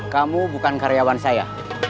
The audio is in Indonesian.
kamu bukan karyawan saya